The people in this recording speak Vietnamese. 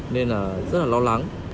nên là rất là lo lắng